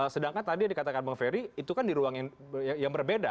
sedangkan tadi yang dikatakan bang ferry itu kan di ruang yang berbeda